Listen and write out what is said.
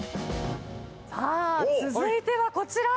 さあ続いてはこちら。